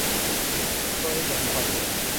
ตัวเองอยากมีความสุข